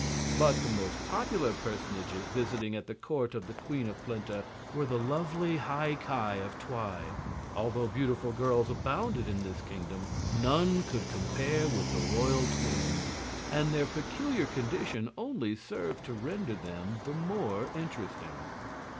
But the most popular personages visiting at the court of the Queen of Plenta were the lovely High Ki of Twi. Although beautiful girls abounded in this kingdom, none could compare with the royal twins, and their peculiar condition only served to render them the more interesting.